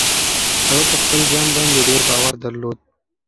هغه په خپل ځان باندې ډېر باور درلود.